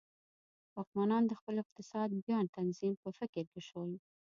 واکمنان د خپل اقتصاد بیا تنظیم په فکر کې شول.